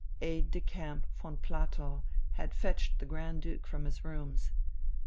Aide de camp von Platow had fetched the Grand Duke from his rooms.